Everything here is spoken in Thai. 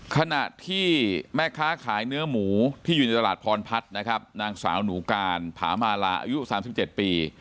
ขณะที่แม่ค้าขายเนื้อหมูที่อยู่ในตลาดพรพัฒน์นะครับนางสาวหนูการผามาลาอายุ๓๗ปี